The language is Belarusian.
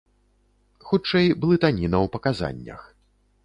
Хутчэй блытаніна ў паказаннях.